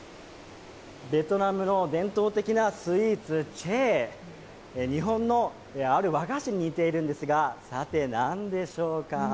ベトナムの伝統的なスイーツ、チェー、日本のある和菓子に似ているんですが、さて、何でしょうか。